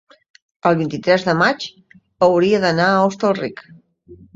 el vint-i-tres de maig hauria d'anar a Hostalric.